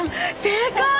正解！